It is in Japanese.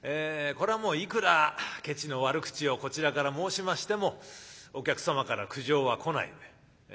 これはもういくらケチの悪口をこちらから申しましてもお客様から苦情は来ないので。